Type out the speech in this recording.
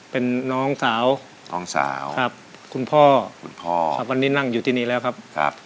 เป็นน้องสาวคุณพ่อวันนี้นั่งอยู่ที่นี่แล้วครับ